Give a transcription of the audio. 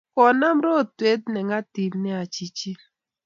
Konam rotwet ne ng'atip nea chichin